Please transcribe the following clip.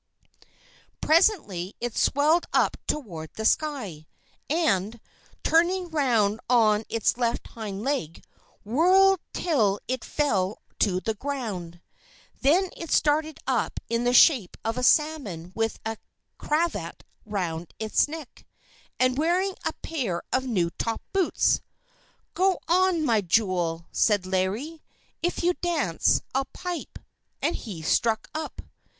Presently it swelled up toward the sky, and, turning round on its left hind leg, whirled till it fell to the ground. Then it started up in the shape of a salmon with a cravat round its neck, and wearing a pair of new top boots. "Go on, my jewel!" said Larry. "If you dance, I'll pipe," and he struck up.